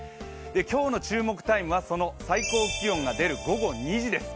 今日の注目タイムはその最高気温が出る午後２時です。